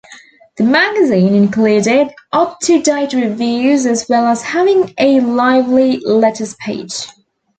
The magazine included up-to-date reviews, as well as having a lively letters page.